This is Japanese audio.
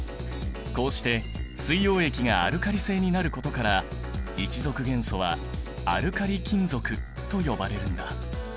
こうして水溶液がアルカリ性になることから１族元素はアルカリ金属と呼ばれるんだ。